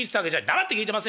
「黙って聞いてません。